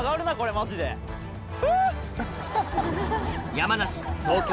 山梨東京